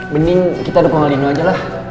mending kita dukung maldino aja lah